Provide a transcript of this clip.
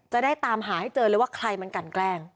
จะได้ตามหาให้เจอเลยว่าใครมันกันแกล้ง